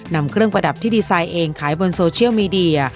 นำเครื่องประดับที่ดีไซน์เองขายบนโซเชียลมีเดีย